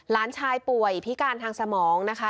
หลานชายป่วยพิการทางสมองนะคะ